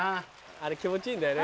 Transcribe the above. あれ気持ちいいんだよね。